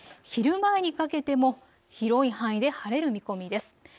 昼前にかけても広い範囲で晴れる見込みです。